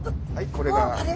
これが。